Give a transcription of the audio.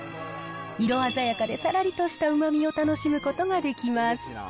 色鮮やかでさらりとしたうまみを楽しむことができます。